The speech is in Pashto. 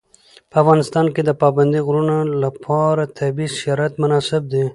په افغانستان کې د پابندی غرونه لپاره طبیعي شرایط مناسب دي.